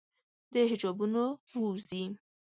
د حجابونو ووزي